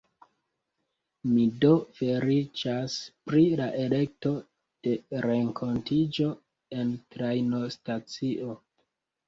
Mi do feliĉas pri la elekto de renkontiĝo en trajnostacio.